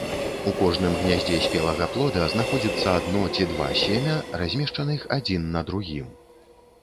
У кожным гняздзе спелага плода знаходзіцца адно ці два семя, размешчаных адзін на другім.